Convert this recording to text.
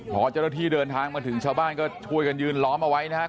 พอเจ้าหน้าที่เดินทางมาถึงชาวบ้านก็ช่วยกันยืนล้อมเอาไว้นะครับ